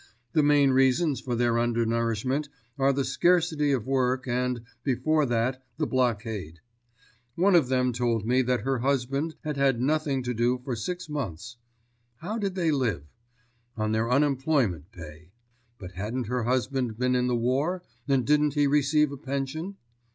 The main reasons for their undernourishment are the scarcity of work and, before that, the blockade. One of them told me that her husband had had nothing to do for six months. How did they live? On their unemployment pay. But hadn't her husband been in the war and didn't he receive a pension?